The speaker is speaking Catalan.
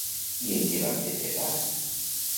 I en què va prendre part?